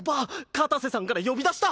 片瀬さんから呼び出しだ！